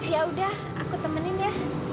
ya udah aku temenin ya